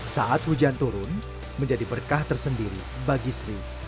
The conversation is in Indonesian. saat hujan turun menjadi berkah tersendiri bagi sri